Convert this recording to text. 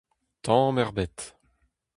Tamm ebet !